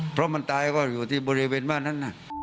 เพราะมันตายก็อยู่ที่บริเวณบ้านนั้น